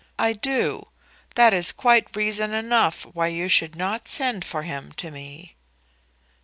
I do. That is quite reason enough why you should not send for him to me."